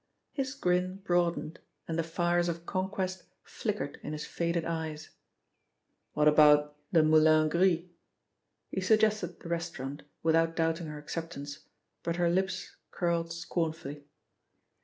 His grin broadened and the fires of conquest flickered in his faded eyes. "What about 'The Moulin Gris'?" He suggested the restaurant, without doubting her acceptance, but her lips curled scornfully.